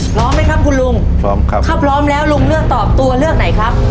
พร้อมไหมครับคุณลุงพร้อมครับถ้าพร้อมแล้วลุงเลือกตอบตัวเลือกไหนครับ